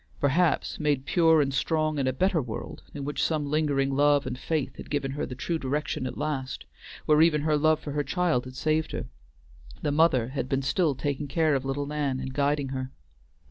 Perhaps, made pure and strong in a better world, in which some lingering love and faith had given her the true direction at last, where even her love for her child had saved her, the mother had been still taking care of little Nan and guiding her.